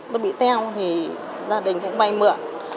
nó bị teo thì gia đình cũng bay mượn